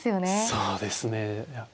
そうですね。